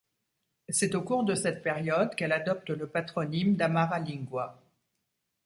C'est au cours de cette période qu'elle adopte le patronyme d'Amara Lingua.